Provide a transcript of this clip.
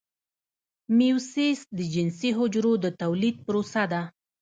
میوسیس د جنسي حجرو د تولید پروسه ده